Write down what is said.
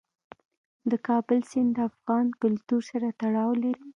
د کابل سیند د افغان کلتور سره تړاو لري.